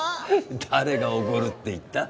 誰がおごるって言った？